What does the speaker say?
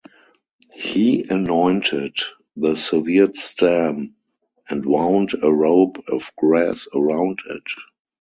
He anointed the severed stem and wound a rope of grass around it.